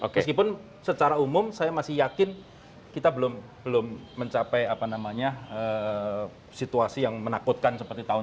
meskipun secara umum saya masih yakin kita belum mencapai situasi yang menakutkan seperti tahun seribu sembilan ratus sembilan puluh delapan